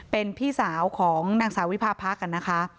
เป็นพี่สาวของนางสาววิพาพรรคนะคะ